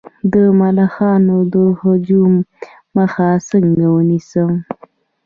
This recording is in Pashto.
د ملخانو د هجوم مخه څنګه ونیسم؟